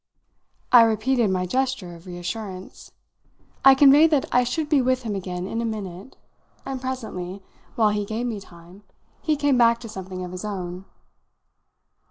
I repeated my gesture of reassurance, I conveyed that I should be with him again in a minute, and presently, while he gave me time, he came back to something of his own.